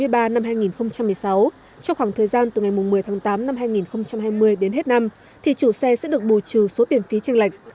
trong khoảng thời gian từ ngày một mươi tháng tám năm hai nghìn hai mươi đến hết năm thì chủ xe sẽ được bù trừ số tiền phí tranh lệch